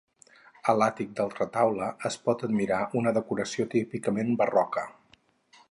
A l'àtic del retaule es pot admirar una decoració típicament barroca.